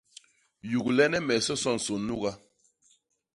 Yuglene me soso nsôn nuga.